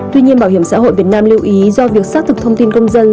tuy nhiên bảo hiểm xã hội việt nam lưu ý do việc xác thực thông tin công dân